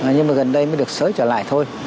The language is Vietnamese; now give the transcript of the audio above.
nhưng mà gần đây mới được sới trở lại thôi